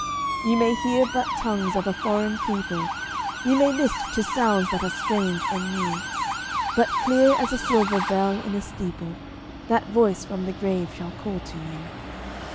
You may hear but tongues of a foreign people, You may list to sounds that are strange and new; But, clear as a silver bell in a steeple, That voice from the grave shall call to you.